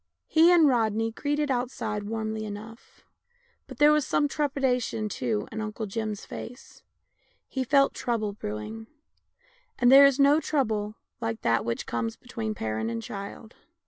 He and Rodney greeted outside warmly enough, but there was some trepidation too in Uncle Jim's face — he felt trouble brewing ; and there is no trouble like that which comes between parent and child.